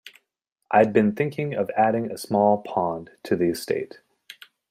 I'd been thinking of adding a small pond to the estate.